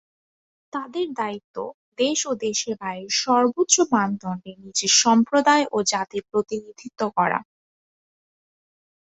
তাদের দায়িত্ব দেশ ও দেশের বাইরে সর্বোচ্চ মানদণ্ডে নিজের সম্প্রদায় ও জাতির প্রতিনিধিত্ব করা।